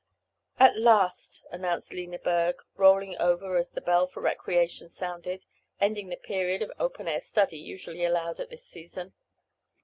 "At last," announced Lena Berg, rolling over as the bell for recreation sounded, ending the period of open air study usually allowed at this season.